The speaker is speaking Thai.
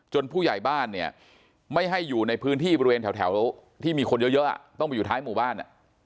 ผู้ใหญ่บ้านเนี่ยไม่ให้อยู่ในพื้นที่บริเวณแถวที่มีคนเยอะต้องไปอยู่ท้ายหมู่บ้าน